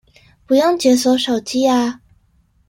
不用解鎖手機啊